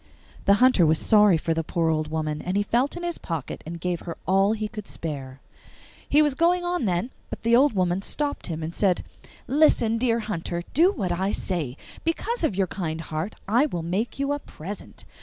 The Hunter was sorry for the poor old woman, and he felt in his pocket and gave her all he could spare. He was going on then, but the old woman stopped him and said, 'Listen, dear hunter, to what I say. Because of your kind heart I will make you a present.